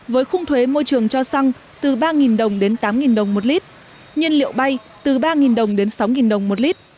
với khung thuế môi trường cho xăng từ ba đồng đến tám đồng một lít nhiên liệu bay từ ba đồng đến sáu đồng một lít